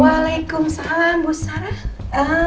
waalaikumsalam bu sarah